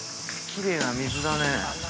きれいな水だね。